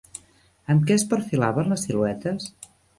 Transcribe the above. Amb què es perfilaven les siluetes?